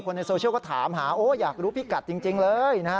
ในโซเชียลก็ถามหาโอ้อยากรู้พี่กัดจริงเลยนะฮะ